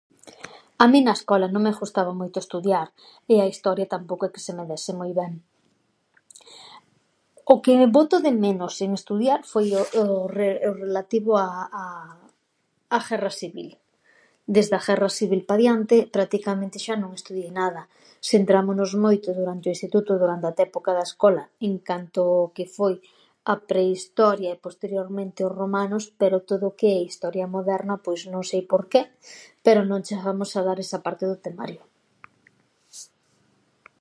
A min na escola non me ghustaba moito estudiar e a historia tampouco é que se me dese moi ben. O que boto de menos sen estudiar foi o o re- o re- o relativo a á á Gherra Sivil. Desde a Gherra Sivil pa diante practicamente xa non estudiei nada. Sentrámonos moito durante o instituto durante a época da escola en canto ó que foi a prehistoria e posteriormente os romanos, pero todo o que é historia moderna pois, non sei por que, pero non cheghamos a dar esa parte do temario.